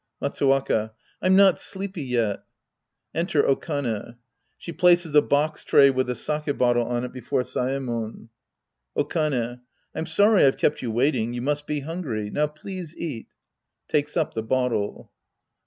Matsuwaka. I'm not sleepy yet. {Enter Okane. She places a box tray with a sak'e bottle on it before Saemon.) Okane. I'm soriy I've kept you waiting. You must be hungry. Now please eat. {Takes np the bottle.)